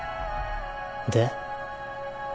で？